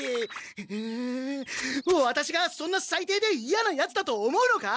ううワタシがそんなさいていでいやなヤツだと思うのか？